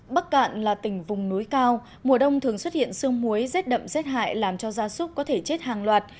bắc cạn là tỉnh vùng núi cao mùa đông thường xuất hiện sương muối rét đậm rét hại làm cho gia súc có thể chết hàng loạt